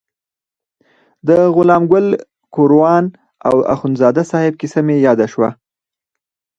د غلام ګل ګوروان او اخندزاده صاحب کیسه مې یاده شوه.